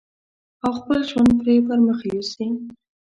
او خپل ژوند پرې پرمخ يوسي.